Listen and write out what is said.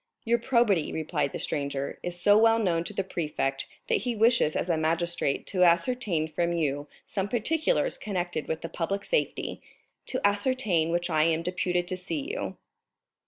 "Your probity," replied the stranger, "is so well known to the prefect that he wishes as a magistrate to ascertain from you some particulars connected with the public safety, to ascertain which I am deputed to see you.